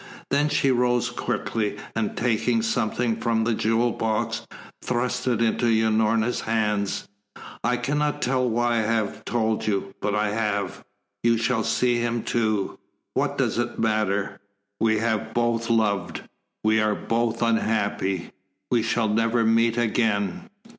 Then she rose quickly, and taking something from the jewel box, thrust it into Unorna's hands. "I cannot tell why I have told you but I have. You shall see him too. What does it matter? We have both loved, we are both unhappy we shall never meet again."